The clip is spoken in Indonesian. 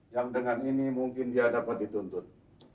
yang dengan ini mungkin dia dapat dituntut